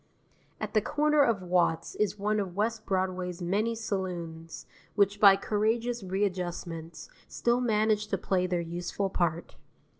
At the corner of Watts is one of West Broadway's many saloons, which by courageous readjustments still manage to play their useful part.